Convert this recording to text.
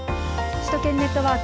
首都圏ネットワーク。